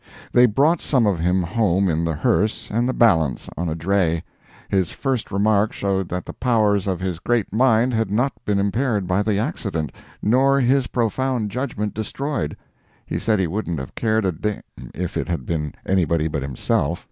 They brought some of him home in the hearse and the balance on a dray. His first remark showed that the powers of his great mind had not been impaired by the accident, nor his profound judgment destroyed—he said he wouldn't have cared a d—n if it had been anybody but himself.